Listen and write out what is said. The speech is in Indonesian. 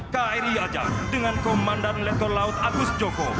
kri ajar dengan komandan letkol laut agus joko